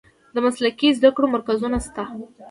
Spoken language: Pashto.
د مسلکي زده کړو مرکزونه شته؟